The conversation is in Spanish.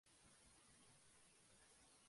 La isla Cerralvo está deshabitada.